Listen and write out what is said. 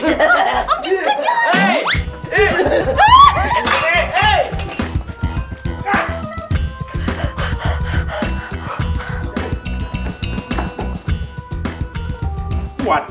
om jin kejar